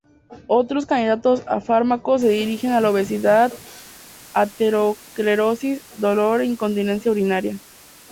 Otros candidatos a fármacos se dirigen a la obesidad, aterosclerosis, dolor e incontinencia urinaria.